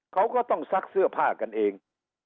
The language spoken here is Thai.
เขาก็ต้องซักเสื้อผ้ากันเอง